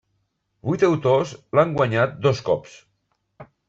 Vuit autors l'han guanyat dos cops.